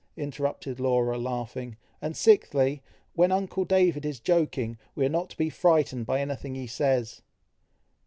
interrupted Laura, laughing, "and sixthly, when uncle David is joking, we are not to be frightened by anything he says!"